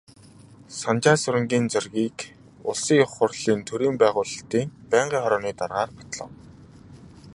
Санжаасүрэнгийн Зоригийг Улсын Их Хурлын төрийн байгуулалтын байнгын хорооны даргаар батлав.